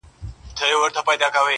o خو ذهنونه نه ارامېږي هېڅکله,